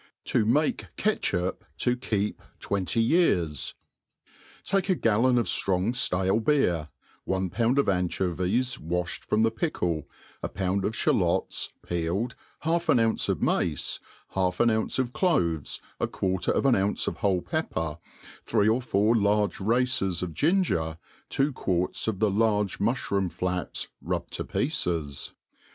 To mate Catcbiip to keep twenty Tears. TAKE a gallon of ftrong ftale beer, one pound of ant^ovies w^fhed from the pickle, a pound of ihalots, peeled, h^If an ounce of mace, half an ou^ce of cloves, a quarter of an ounce of whole pepper, three or four large races of ginger, two quarts of the large muihroom*fiaps rubbed to pieces.